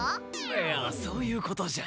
いやそういうことじゃ。